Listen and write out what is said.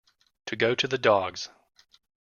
To go to the dogs.